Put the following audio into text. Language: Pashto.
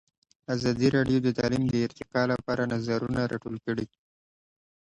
ازادي راډیو د تعلیم د ارتقا لپاره نظرونه راټول کړي.